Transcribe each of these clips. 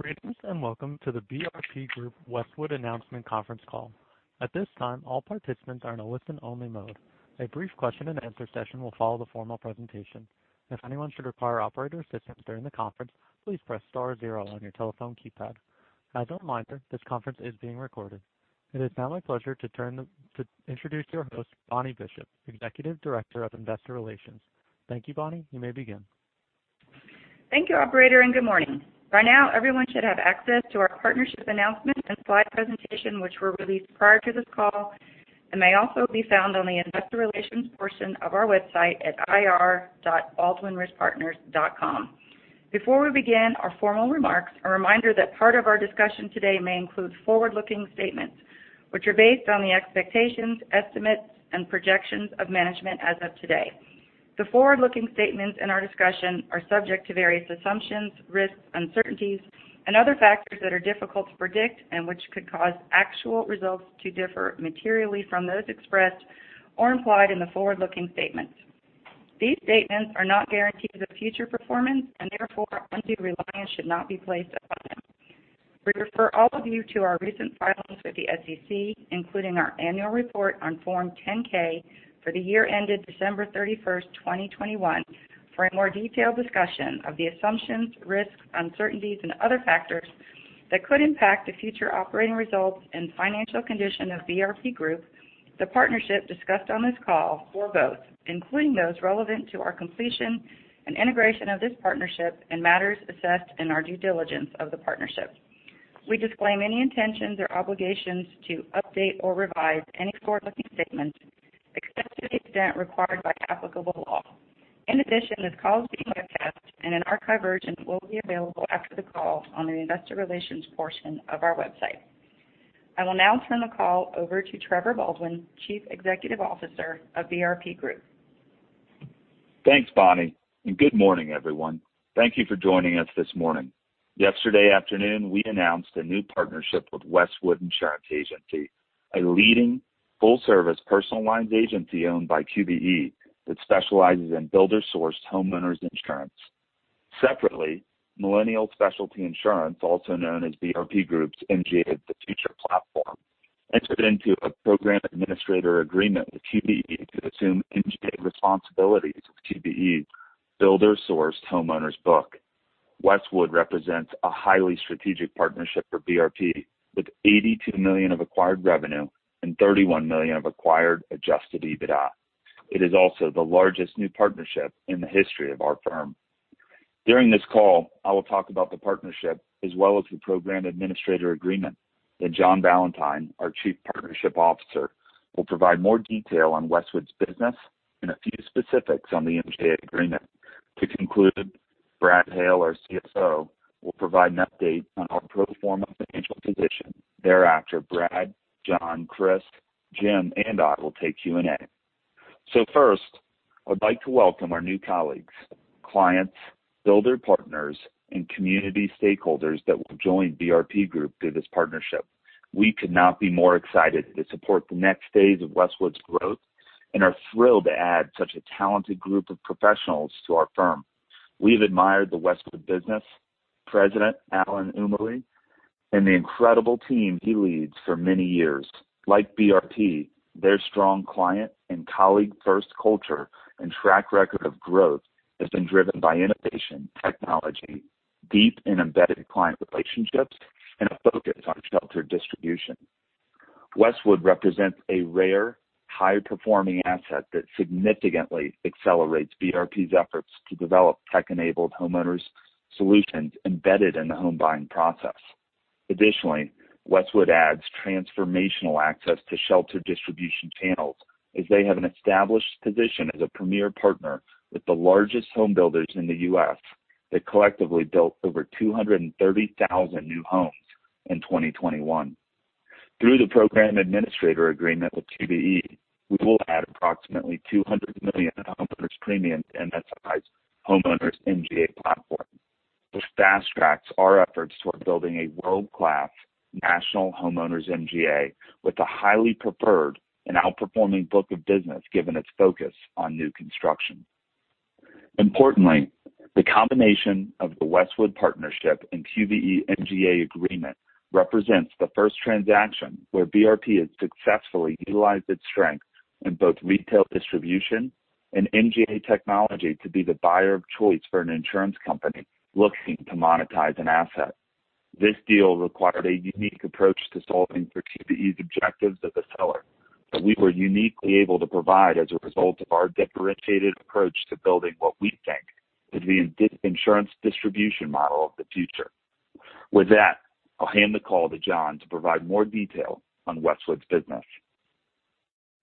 Greetings, and welcome to the BRP Group Westwood Announcement Conference Call. At this time, all participants are in a listen-only mode. A brief question-and-answer session will follow the formal presentation. If anyone should require operator assistance during the conference, please press star zero on your telephone keypad. As a reminder, this conference is being recorded. It is now my pleasure to turn to introduce your host, Bonnie Bishop, Executive Director of Investor Relations. Thank you, Bonnie. You may begin. Thank you, operator, and good morning. By now, everyone should have access to our partnership announcement and slide presentation, which were released prior to this call and may also be found on the investor relations portion of our website at ir.baldwinriskpartners.com. Before we begin our formal remarks, a reminder that part of our discussion today may include forward-looking statements, which are based on the expectations, estimates, and projections of management as of today. The forward-looking statements in our discussion are subject to various assumptions, risks, uncertainties, and other factors that are difficult to predict and which could cause actual results to differ materially from those expressed or implied in the forward-looking statements. These statements are not guarantees of future performance, and therefore, undue reliance should not be placed upon them. We refer all of you to our recent filings with the SEC, including our annual report on Form 10-K for the year ended December 31, 2021 for a more detailed discussion of the assumptions, risks, uncertainties, and other factors that could impact the future operating results and financial condition of BRP Group, the partnership discussed on this call or both, including those relevant to our completion and integration of this partnership and matters assessed in our due diligence of the partnership. We disclaim any intentions or obligations to update or revise any forward-looking statements except to the extent required by applicable law. In addition, this call is being webcast and an archived version will be available after the call on the investor relations portion of our website. I will now turn the call over to Trevor Baldwin, Chief Executive Officer of BRP Group. Thanks, Bonnie, and good morning, everyone. Thank you for joining us this morning. Yesterday afternoon, we announced a new partnership with Westwood Insurance Agency, a leading full-service personal lines agency owned by QBE that specializes in builder-sourced homeowners insurance. Separately, Millennial Specialty Insurance, also known as BRP Group's MGA of the Future platform, entered into a program administrator agreement with QBE to assume MGA responsibilities with QBE's builder-sourced homeowners book. Westwood represents a highly strategic partnership for BRP, with $82 million of acquired revenue and $31 million of acquired adjusted EBITDA. It is also the largest new partnership in the history of our firm. During this call, I will talk about the partnership as well as the program administrator agreement, then John Valentine, our Chief Partnership Officer, will provide more detail on Westwood's business and a few specifics on the MGA agreement. To conclude, Brad Hale, our CFO, will provide an update on our pro forma financial position. Thereafter, Brad, John, Chris, Jim, and I will take Q&A. First, I'd like to welcome our new colleagues, clients, builder partners, and community stakeholders that will join BRP Group through this partnership. We could not be more excited to support the next phase of Westwood's growth and are thrilled to add such a talented group of professionals to our firm. We've admired the Westwood business, President Alan Umaly, and the incredible team he leads for many years. Like BRP, their strong client and colleague-first culture and track record of growth has been driven by innovation, technology, deep and embedded client relationships, and a focus on sheltered distribution. Westwood represents a rare, high-performing asset that significantly accelerates BRP's efforts to develop tech-enabled homeowners solutions embedded in the home buying process. Additionally, Westwood adds transformational access to shelter distribution channels as they have an established position as a premier partner with the largest home builders in the U.S. that collectively built over 230,000 new homes in 2021. Through the program administrator agreement with QBE, we will add approximately $200 million in homeowners premium and that size homeowners MGA platform, which fast-tracks our efforts toward building a world-class national homeowners MGA with a highly preferred and outperforming book of business given its focus on new construction. Importantly, the combination of the Westwood partnership and QBE MGA agreement represents the first transaction where BRP has successfully utilized its strength in both retail distribution and MGA technology to be the buyer of choice for an insurance company looking to monetize an asset. This deal required a unique approach to solving for QBE's objectives as a seller that we were uniquely able to provide as a result of our differentiated approach to building what we think is the insurance distribution model of the future. With that, I'll hand the call to John to provide more detail on Westwood's business.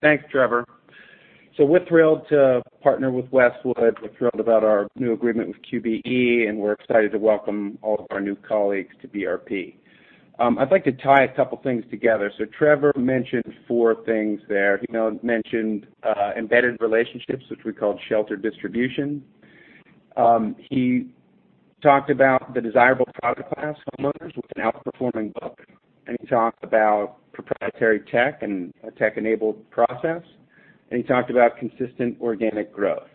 Thanks, Trevor. We're thrilled to partner with Westwood. We're thrilled about our new agreement with QBE, and we're excited to welcome all of our new colleagues to BRP. I'd like to tie a couple things together. Trevor mentioned four things there. He mentioned embedded relationships, which we called sheltered distribution. He talked about the desirable product class, homeowners with an outperforming book. He talked about proprietary tech and a tech-enabled process. He talked about consistent organic growth.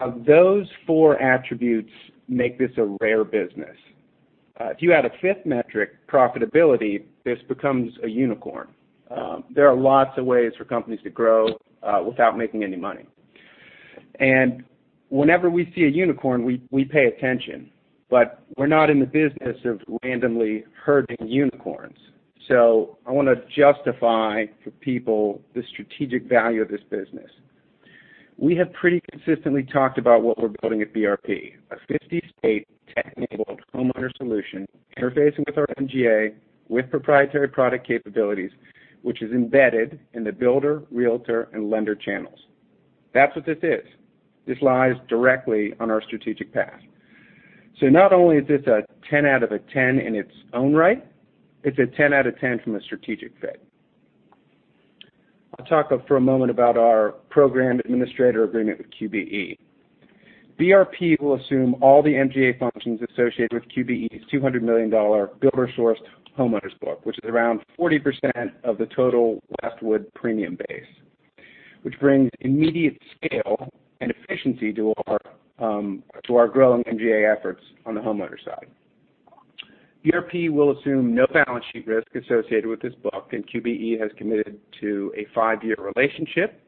Now those four attributes make this a rare business. If you add a fifth metric, profitability, this becomes a unicorn. There are lots of ways for companies to grow, without making any money. Whenever we see a unicorn, we pay attention, but we're not in the business of randomly herding unicorns. I wanna justify for people the strategic value of this business. We have pretty consistently talked about what we're building at BRP, a 50-state tech-enabled homeowner solution interfacing with our MGA with proprietary product capabilities, which is embedded in the builder, realtor, and lender channels. That's what this is. This lies directly on our strategic path. Not only is this a 10 out of a 10 in its own right, it's a 10 out of 10 from a strategic fit. I'll talk for a moment about our program administrator agreement with QBE. BRP will assume all the MGA functions associated with QBE's $200 million builder-sourced homeowners book, which is around 40% of the total Westwood premium base, which brings immediate scale and efficiency to our growing MGA efforts on the homeowner side. BRP will assume no balance sheet risk associated with this book, and QBE has committed to a five-year relationship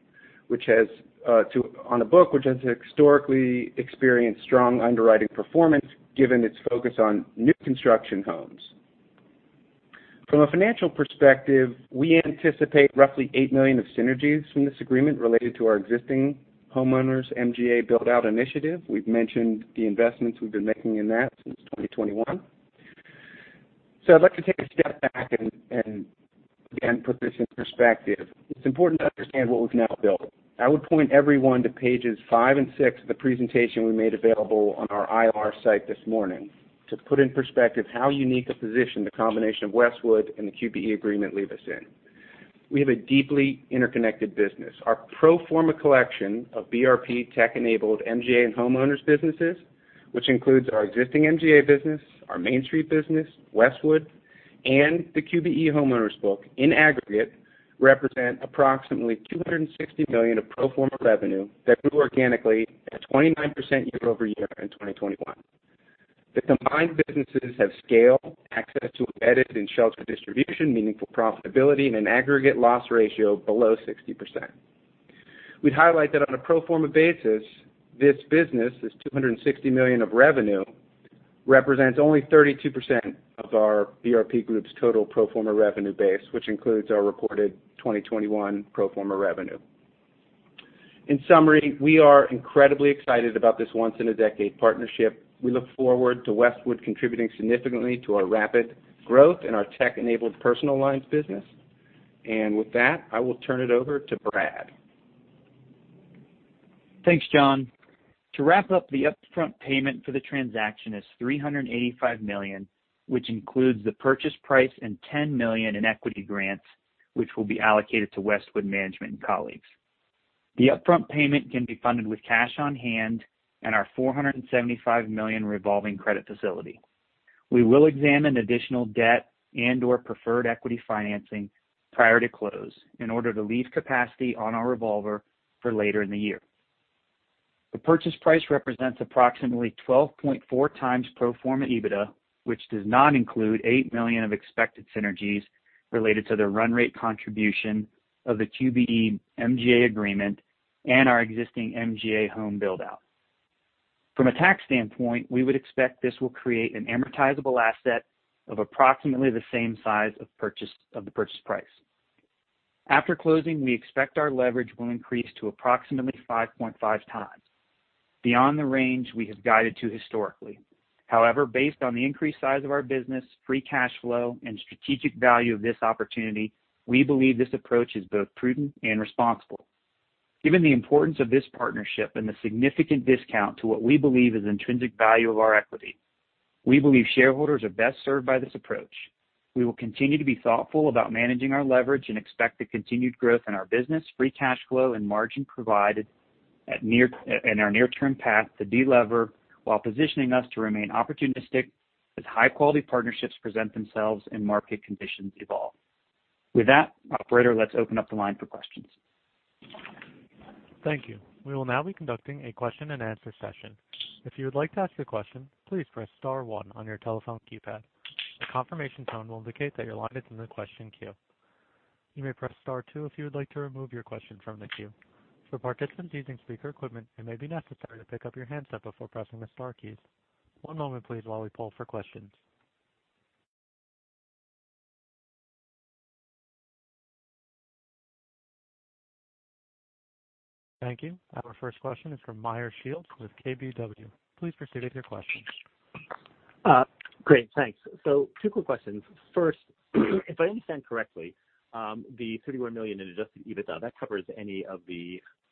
on a book which has historically experienced strong underwriting performance given its focus on new construction homes. From a financial perspective, we anticipate roughly $8 million of synergies from this agreement related to our existing homeowners MGA build-out initiative. We've mentioned the investments we've been making in that since 2021. I'd like to take a step back and again put this in perspective. It's important to understand what we've now built. I would point everyone to pages five and six of the presentation we made available on our IR site this morning to put in perspective how unique a position the combination of Westwood and the QBE agreement leave us in. We have a deeply interconnected business. Our pro forma collection of BRP tech-enabled MGA and homeowners businesses, which includes our existing MGA business, our Mainstreet business, Westwood, and the QBE homeowners book, in aggregate, represent approximately $260 million of pro forma revenue that grew organically at a 29% year-over-year in 2021. The combined businesses have scale, access to admitted and sheltered distribution, meaningful profitability, and an aggregate loss ratio below 60%. We'd highlight that on a pro forma basis, this business, this $260 million of revenue, represents only 32% of our BRP Group total pro forma revenue base, which includes our reported 2021 pro forma revenue. In summary, we are incredibly excited about this once in a decade partnership. We look forward to Westwood contributing significantly to our rapid growth and our tech-enabled personal lines business. With that, I will turn it over to Brad. Thanks, John. To wrap up, the upfront payment for the transaction is $385 million, which includes the purchase price and $10 million in equity grants, which will be allocated to Westwood management and colleagues. The upfront payment can be funded with cash on hand and our $475 million revolving credit facility. We will examine additional debt and or preferred equity financing prior to close in order to leave capacity on our revolver for later in the year. The purchase price represents approximately 12.4x pro forma EBITDA, which does not include $8 million of expected synergies related to the run rate contribution of the QBE MGA agreement and our existing MGA home build-out. From a tax standpoint, we would expect this will create an amortizable asset of approximately the same size of the purchase price. After closing, we expect our leverage will increase to approximately 5.5 times, beyond the range we have guided to historically. However, based on the increased size of our business, free cash flow and strategic value of this opportunity, we believe this approach is both prudent and responsible. Given the importance of this partnership and the significant discount to what we believe is intrinsic value of our equity, we believe shareholders are best served by this approach. We will continue to be thoughtful about managing our leverage and expect the continued growth in our business, free cash flow, and margin provided in our near-term path to delever while positioning us to remain opportunistic as high-quality partnerships present themselves and market conditions evolve. With that, operator, let's open up the line for questions. Thank you. We will now be conducting a question-and-answer session. If you would like to ask a question, please press star one on your telephone keypad. A confirmation tone will indicate that your line is in the question queue. You may press star two if you would like to remove your question from the queue. For participants using speaker equipment, it may be necessary to pick up your handset before pressing the star keys. One moment please while we poll for questions. Thank you. Our first question is from Meyer Shields with KBW. Please proceed with your question. Great, thanks. Two quick questions. First, if I understand correctly, the $31 million in adjusted EBITDA, that covers any of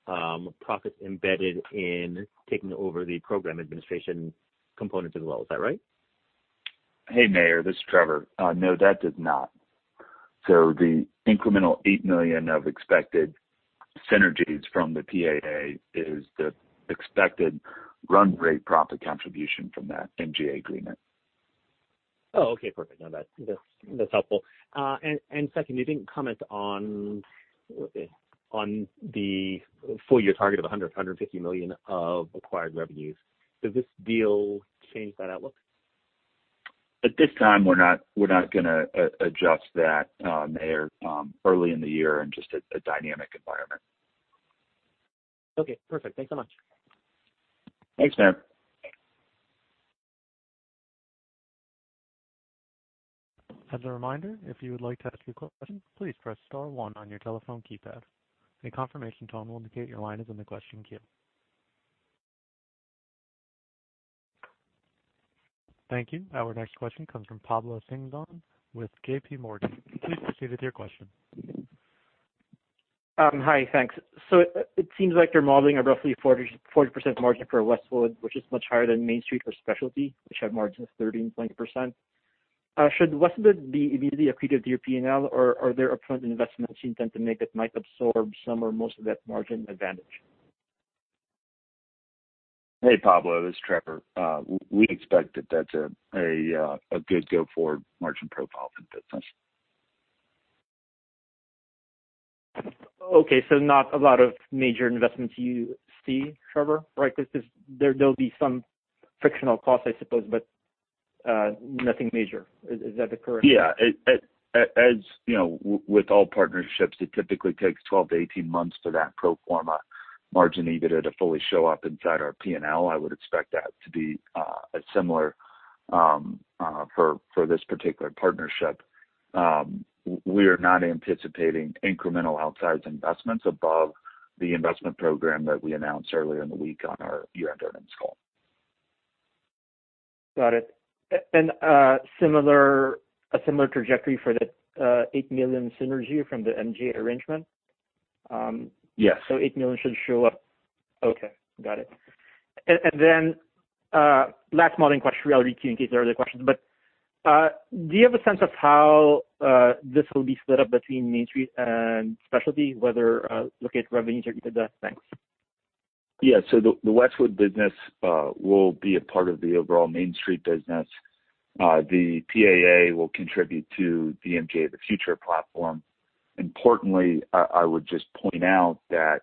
the profits embedded in taking over the program administration component as well. Is that right? Hey, Meyer, this is Trevor. No, that did not. The incremental $8 million of expected synergies from the PAA is the expected run rate profit contribution from that MGA agreement. Oh, okay, perfect. No, that's helpful. And second, you didn't comment on the full year target of $150 million of acquired revenues. Does this deal change that outlook? At this time, we're not gonna adjust that there early in the year and just a dynamic environment. Okay, perfect. Thanks so much. Thanks, Shields. As a reminder, if you would like to ask a question, please press star one on your telephone keypad. A confirmation tone will indicate your line is in the question queue. Thank you. Our next question comes from Pablo Singzon with JPMorgan. Please proceed with your question. Hi. Thanks. It seems like you're modeling a roughly 40% margin for Westwood, which is much higher than Mainstreet or specialty, which have margins of 13%-20%. Should Westwood be immediately accretive to your P&L or are there upfront investments you've done that might absorb some or most of that margin advantage? Hey, Pablo, this is Trevor. We expect that that's a good go-forward margin profile for the business. Okay. Not a lot of major investments you see, Trevor, right? 'Cause there'll be some frictional costs, I suppose, but nothing major. Is that the correct- Yeah. You know, with all partnerships, it typically takes 12-18 months for that pro forma margin EBITDA to fully show up inside our P&L. I would expect that to be a similar for this particular partnership. We are not anticipating incremental outsized investments above the investment program that we announced earlier in the week on our year-end earnings call. Got it. Similar trajectory for the $8 million synergy from the MGA arrangement? Yes. $8 million should show up. Okay, got it. Last modeling question, I'll queue in case there are other questions, but do you have a sense of how this will be split up between Mainstreet and Specialty, whether looking at revenue or EBITDA? Thanks. Yeah. The Westwood business will be a part of the overall Mainstreet business. The PAA will contribute to the MGA of the Future platform. Importantly, I would just point out that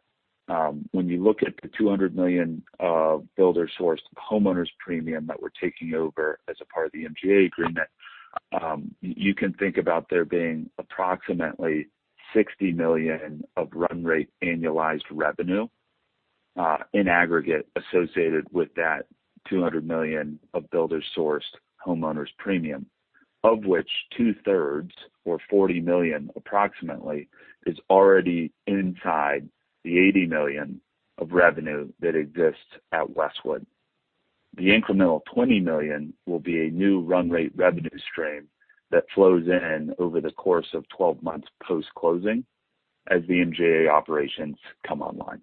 when you look at the $200 million of builder-sourced homeowners premium that we're taking over as a part of the MGA agreement, you can think about there being approximately $60 million of run rate annualized revenue in aggregate associated with that $200 million of builder-sourced homeowners premium, of which two-thirds or $40 million approximately is already inside the $80 million of revenue that exists at Westwood. The incremental $20 million will be a new run rate revenue stream that flows in over the course of 12 months post-closing as the MGA operations come online.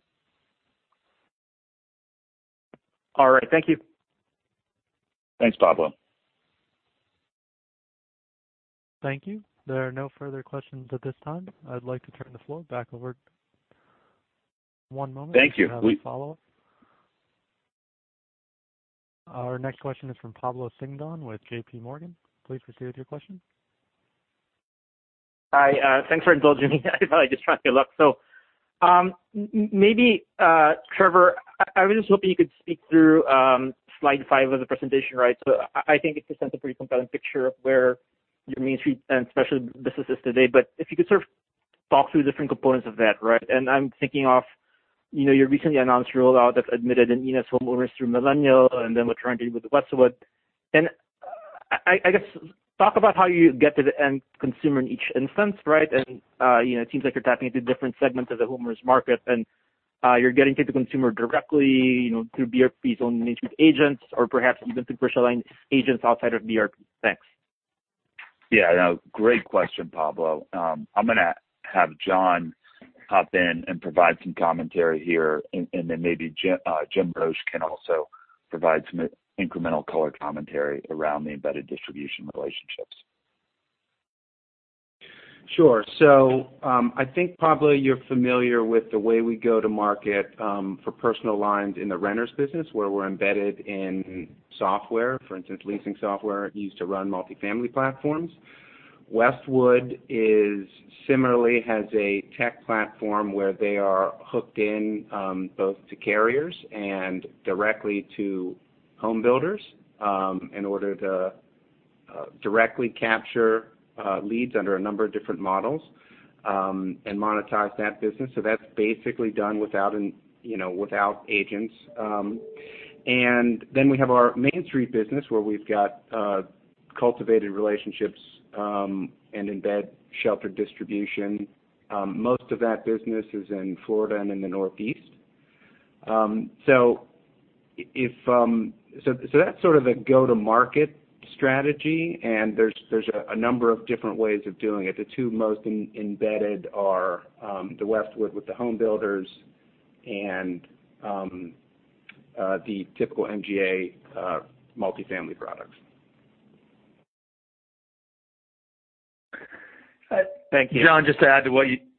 All right. Thank you. Thanks, Pablo. Thank you. There are no further questions at this time. I'd like to turn the floor back over. One moment. Thank you. We have a follow-up. Our next question is from Pablo Singzon with JPMorgan. Please proceed with your question. Hi. Thanks for indulging me. I probably just tried my luck. Maybe, Trevor, I was just hoping you could speak through slide five of the presentation, right? I think it presents a pretty compelling picture of where your Mainstreet and specialty businesses today. If you could sort of talk through the different components of that, right? I'm thinking of, you know, your recently announced rollout of Admitted and E&S homeowners through Millennial, and then what you're trying to do with the Westwood. I guess talk about how you get to the end consumer in each instance, right? You know, it seems like you're tapping into different segments of the homeowner's market and you're getting to the consumer directly, you know, through BRP's own Mainstreet agents or perhaps even through commercial line agents outside of BRP. Thanks. Yeah. No. Great question, Pablo. I'm gonna have John hop in and provide some commentary here, and then maybe Jim Roche can also provide some incremental color commentary around the embedded distribution relationships. Sure. I think, Pablo, you're familiar with the way we go to market for personal lines in the renters business, where we're embedded in software. For instance, leasing software used to run multi-family platforms. Westwood similarly has a tech platform where they are hooked in both to carriers and directly to Home Builders in order to directly capture leads under a number of different models and monetize that business. That's basically done without you know, without agents. Then we have our Mainstreet business where we've got cultivated relationships and embedded distribution. Most of that business is in Florida and in the Northeast. That's sort of a go-to-market strategy, and there's a number of different ways of doing it. The two most embedded are the Westwood with the Home Builders and the typical MGA multifamily products. Thank you. John, just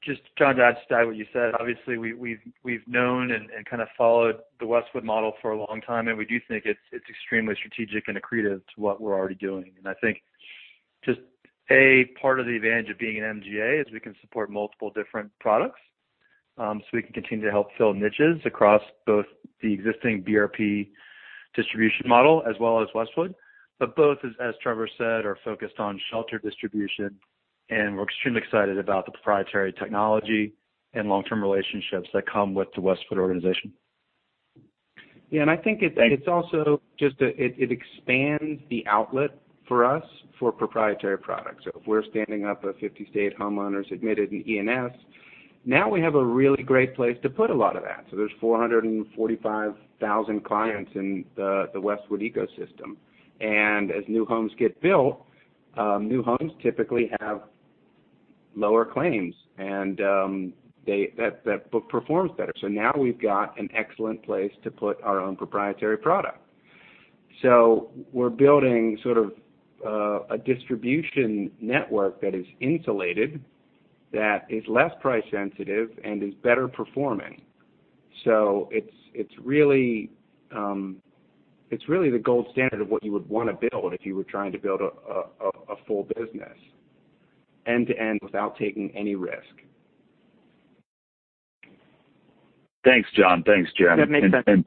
to add to what you said, obviously, we've known and kind of followed the Westwood model for a long time, and we do think it's extremely strategic and accretive to what we're already doing. I think just a part of the advantage of being an MGA is we can support multiple different products, so we can continue to help fill niches across both the existing BRP distribution model as well as Westwood. Both as Trevor said are focused on shelter distribution, and we're extremely excited about the proprietary technology and long-term relationships that come with the Westwood organization. Yeah. I think it's also just it expands the outlet for us for proprietary products. If we're standing up a 50-state homeowners admitted in E&S, now we have a really great place to put a lot of that. There's 445,000 clients in the Westwood ecosystem. As new homes get built, new homes typically have lower claims, and that book performs better. Now we've got an excellent place to put our own proprietary product. We're building sort of a distribution network that is insulated, that is less price sensitive and is better performing. It's really the gold standard of what you would wanna build if you were trying to build a full business end-to-end without taking any risk. Thanks, John. Thanks, Jim. That makes sense.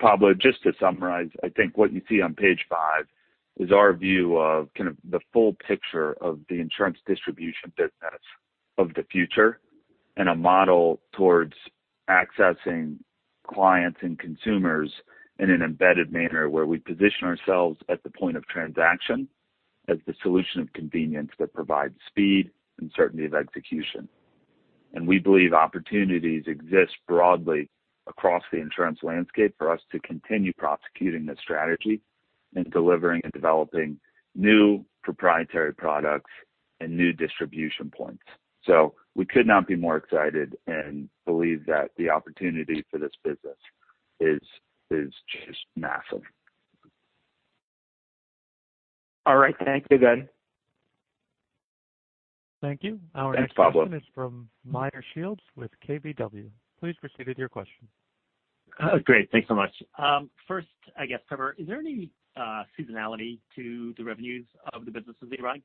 Pablo, just to summarize, I think what you see on page five is our view of kind of the full picture of the insurance distribution business of the future and a model towards accessing clients and consumers in an embedded manner where we position ourselves at the point of transaction as the solution of convenience that provides speed and certainty of execution. We believe opportunities exist broadly across the insurance landscape for us to continue prosecuting this strategy and delivering and developing new proprietary products and new distribution points. We could not be more excited and believe that the opportunity for this business is just massive. All right. Thank you again. Thank you. Thanks, Pablo. Our next question is from Meyer Shields with KBW. Please proceed with your question. Great. Thanks so much. First, I guess, Trevor, is there any seasonality to the revenues of the business as they rise?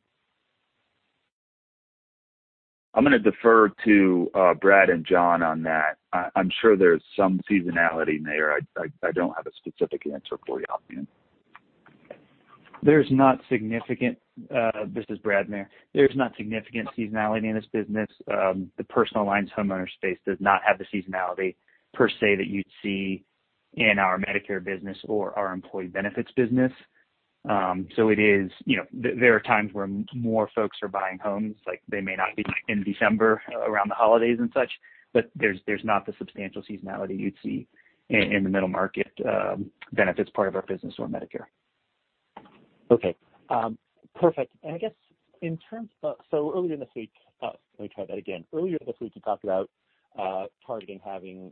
I'm gonna defer to Brad and John on that. I'm sure there's some seasonality there. I don't have a specific answer for you on the end. There's not significant seasonality in this business. The personal lines homeowners space does not have the seasonality per se that you'd see in our Medicare business or our employee benefits business. It is, you know, there are times where more folks are buying homes, like they may not be in December around the holidays and such, but there's not the substantial seasonality you'd see in the middle market benefits part of our business or Medicare. Okay. Perfect. Earlier in the week, you talked about targeting having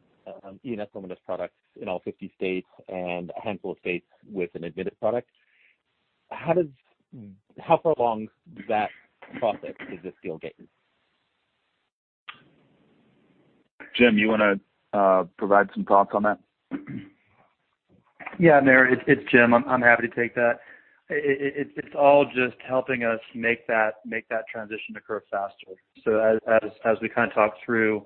E&S homeowners products in all 50 states and a handful of states with an admitted product. How far along that process is this deal getting? Jim, you wanna provide some thoughts on that? Yeah, Meyer, it's Jim. I'm happy to take that. It's all just helping us make that transition occur faster. As we kind of talked through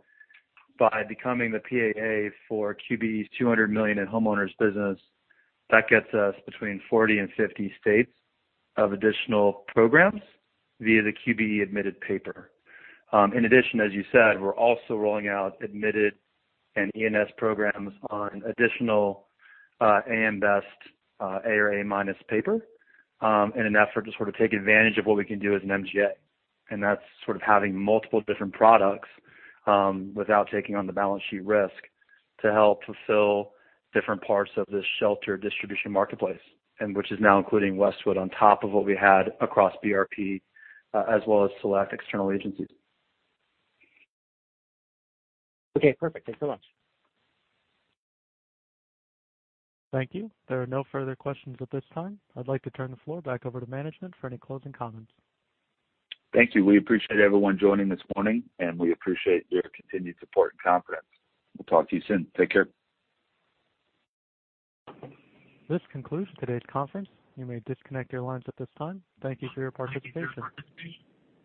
by becoming the PAA for QBE's $200 million in homeowners business, that gets us between 40 and 50 states of additional programs via the QBE admitted paper. In addition, as you said, we're also rolling out admitted and E&S programs on additional AM Best A or A minus paper, in an effort to sort of take advantage of what we can do as an MGA. That's sort of having multiple different products without taking on the balance sheet risk to help fulfill different parts of this shelter distribution marketplace, and which is now including Westwood on top of what we had across BRP as well as select external agencies. Okay, perfect. Thanks so much. Thank you. There are no further questions at this time. I'd like to turn the floor back over to management for any closing comments. Thank you. We appreciate everyone joining this morning, and we appreciate your continued support and confidence. We'll talk to you soon. Take care. This concludes today's conference. You may disconnect your lines at this time. Thank you for your participation.